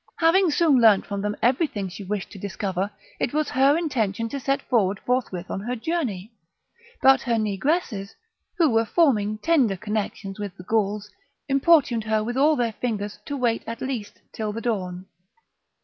Having soon learnt from them everything she wished to discover, it was her intention to set forward forthwith on her journey, but her negresses, who were forming tender connections with the Gouls, importuned her with all their fingers to wait at least till the dawn.